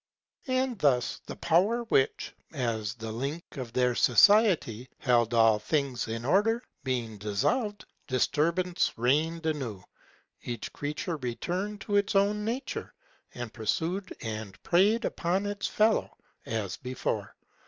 And thus the power which, as the link of their society, held all things in order, being dissolved, disturbance reigned anew; each creature returned to its own nature, and pursued and preyed upon its fellow, as before.